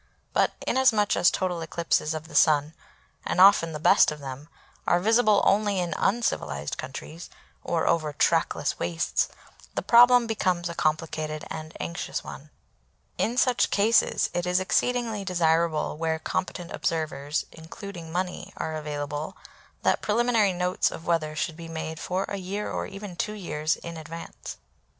But inasmuch as total eclipses of the Sun, and often the best of them, are visible only in uncivilised countries or over trackless wastes, the problem becomes a complicated and anxious one. In such cases it is exceedingly desirable, where competent observers (including money) are available, that preliminary notes of weather should be made for a year or even two years in advance.